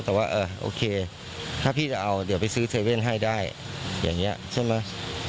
แต่ว่าโอเคถ้าพี่จะเอาเดี๋ยวไปซื้อ๗๑๑ให้ได้อย่างนี้ใช่ไหม